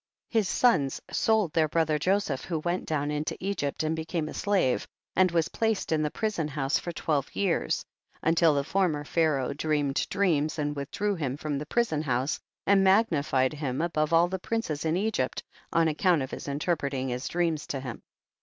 15. His sons sold their brother Joseph, who went down into Egypt and became a slave, and was placed in the prison house for twelve years. 16. Until the former Pharaoh dreamed dreams, and withdrew him from the prison house, and magnified him above all the princes in Egypt on account of his interpreting his dreams to him.